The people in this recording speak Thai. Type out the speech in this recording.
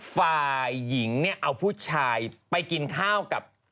ฝ่ายหญิงเนี่ยเอาผู้ชายไปกินข้าวกับ